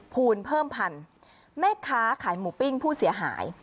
ภูมิเพิ่มพันธุ์แม่ค้าขายหมูปิ้งผู้เสียหาย